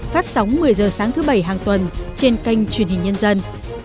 phát sóng một mươi h sáng thứ bảy hàng tuần trên kênh truyền hình nhân dân